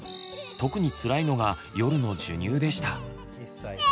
特につらいのが夜の授乳でした。